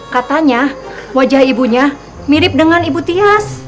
katanya wajah ibunya mirip dengan ibu tias